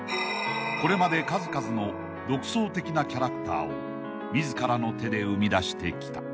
［これまで数々の独創的なキャラクターを自らの手で生み出してきた］